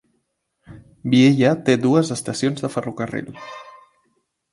Biella té dues estacions de ferrocarril.